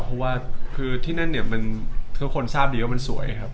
เพราะว่าที่นั่นทุกคนทราบดีว่ามันสวยครับ